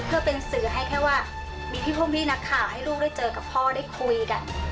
เพื่อเป็นสื่อให้แค่ว่ามีพี่พ่งพี่นักข่าวให้ลูกได้เจอกับพ่อได้คุยกัน